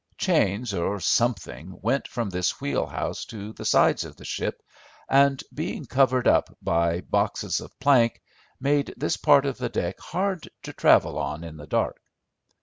Chains or something went from this wheelhouse to the sides of the ship, and, being covered up by boxes of plank, made this part of the deck hard to travel on in the dark.